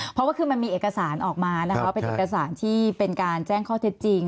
เพราะว่าคือมันมีเอกสารออกมานะคะเป็นเอกสารที่เป็นการแจ้งข้อเท็จจริง